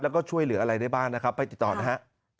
แล้วก็ช่วยเหลืออะไรได้บ้างนะครับไปติดต่อนะฮะ